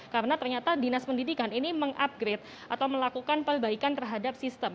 karena ternyata dinas pendidikan ini mengupgrade atau melakukan perbaikan terhadap sistem